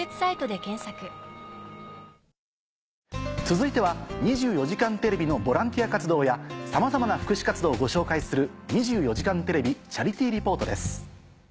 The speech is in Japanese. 続いては『２４時間テレビ』のボランティア活動やさまざまな福祉活動をご紹介する。